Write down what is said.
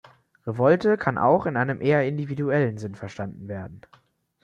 Revolte kann auch in einem eher individuellen Sinn verstanden werden.